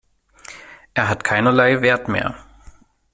Er hat keinerlei Wert mehr.